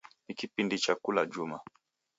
Ni kipindi cha kula juma.